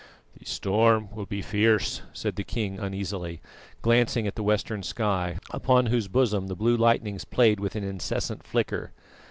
"The storm will be fierce," said the king uneasily, glancing at the western sky, upon whose bosom the blue lightnings played with an incessant flicker.